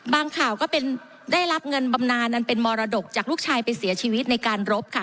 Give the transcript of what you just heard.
ข่าวก็ได้รับเงินบำนานอันเป็นมรดกจากลูกชายไปเสียชีวิตในการรบค่ะ